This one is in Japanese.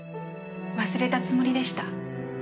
忘れたつもりでした。